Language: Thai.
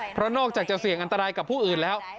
เพราะนอกจากจะเสี่ยงอันตรายกับผู้อื่นแล้ว